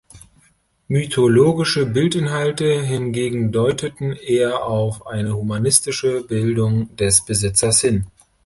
Mythologische Bildinhalte hingegen deuteten eher auf eine humanistische Bildung des Besitzers hin.